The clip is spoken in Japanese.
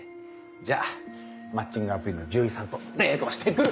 じゃあマッチングアプリの獣医さんとデートして来る！